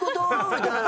みたいな。